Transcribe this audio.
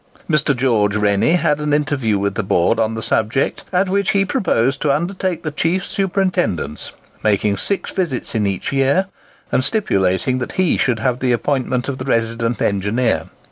Mr. George Rennie had an interview with the Board on the subject, at which he proposed to undertake the chief superintendence, making six visits in each year, and stipulating that he should have the appointment of the resident engineer.